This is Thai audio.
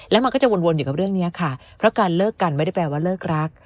แล้วมันก็จะวนอยู่กับเรื่องนี้ค่ะเพราะการเลิกกันไม่ได้แปลว่าเลิกรัก